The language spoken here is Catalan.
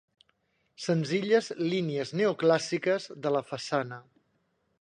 Senzilles línies neoclàssiques de la façana.